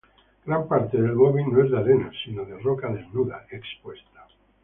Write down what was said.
Gran parte del Gobi no es de arena, sino de roca desnuda expuesta.